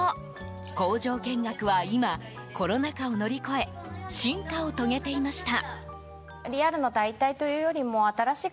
工場見学は今、コロナ禍を乗り越え進化を遂げていました。